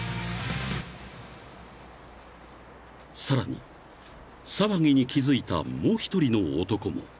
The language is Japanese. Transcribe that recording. ［さらに騒ぎに気付いたもう１人の男も］